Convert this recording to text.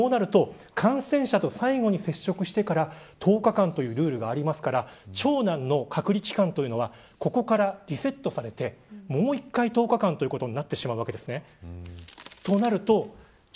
そうなると、感染者と最後に接触してから１０日間というルールがありますから長男の隔離期間はここからリセットされてもう１回、１０日間ということになってしまいます。